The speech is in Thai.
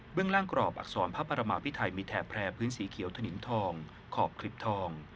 เรื่องล่างกรอบอักษรพระประมาพิไทยมีแถบแพร่พื้นสีเขียวถนิมทองขอบคลิปทอง